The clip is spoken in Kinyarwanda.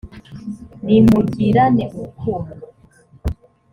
nimugirane urukundo.